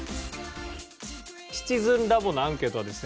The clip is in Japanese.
「シチズンラボ」のアンケートはですね